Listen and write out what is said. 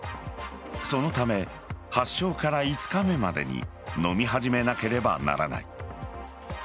そのため発症から５日目までに飲み始めなければならない。